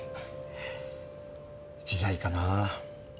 時代かなあ。